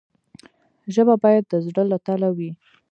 ژبه باید د زړه له تله وي.